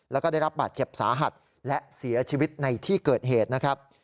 แล้วก็ได้รับบาดเจ็บสาหัสและเสียชีวิตในที่เกิดเหตุนะครับ